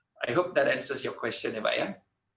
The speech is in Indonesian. saya harap itu menjawab pertanyaan anda pak